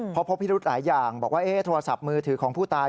เพราะพบพิรุธหลายอย่างบอกว่าโทรศัพท์มือถือของผู้ตาย